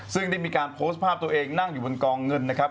ซึ่งได้มีการโพสต์ภาพตัวเองนั่งอยู่บนกองเงินนะครับ